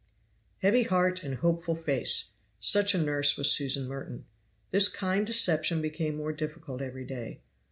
Heavy heart and hopeful face! such a nurse was Susan Merton. This kind deception became more difficult every day.